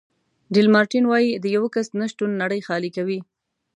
ډي لمارټین وایي د یو کس نه شتون نړۍ خالي کوي.